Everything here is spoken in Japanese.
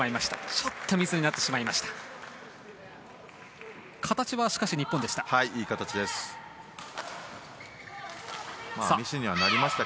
ちょっとミスになってしまいました。